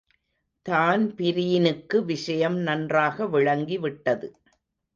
தான்பிரீனுக்கு விஷயம் நன்றாக விளங்கிவிட்டது.